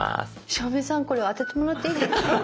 照明さんこれ当ててもらっていいですか？